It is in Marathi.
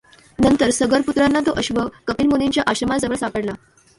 नंतर सगरपुत्रांना तो अश्व कपिलमुनींच्या आश्रमाजवळ सापडला.